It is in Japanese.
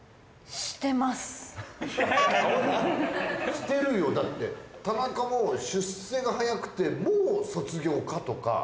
してるよだって田中も出世が早くてもう卒業かとか。